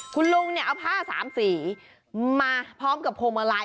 คุณลุงเนี่ยเอาผ้าสามสีมาพร้อมกับพวงมาลัย